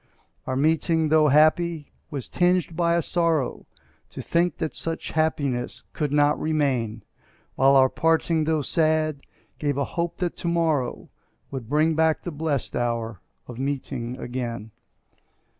Our meeting, tho' happy, was tinged by a sorrow To think that such happiness could not remain; While our parting, tho' sad, gave a hope that to morrow Would bring back the blest hour of meeting again.